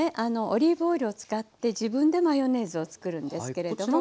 オリーブオイルを使って自分でマヨネーズを作るんですけれども。